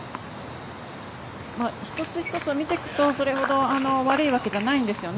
一つ一つを見ていくとそれほど悪いわけではないんですよね。